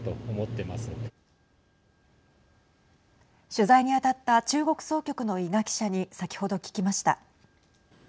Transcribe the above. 取材に当たった中国総局の伊賀記者に先ほど聞きました。